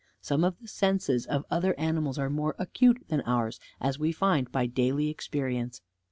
Some of the senses of other animals are more acute than ours, as we find by daily experience.